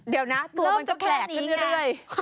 เดี๋ยวนะตัวมันก็แข็งนี่ไง